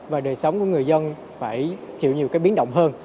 và đời sống của người dân phải chịu nhiều cái biến động hơn